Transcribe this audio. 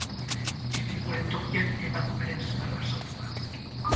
Istripuaren tokian emakumearen senarra azaldu da.